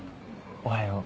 おはよう。